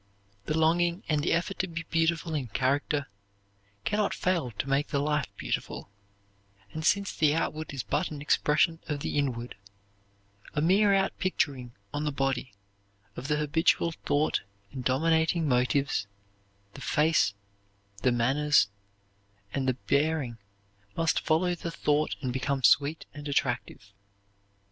The longing and the effort to be beautiful in character can not fail to make the life beautiful, and since the outward is but an expression of the inward, a mere outpicturing on the body of the habitual thought and dominating motives, the face, the manners, and the bearing must follow the thought and become sweet and attractive.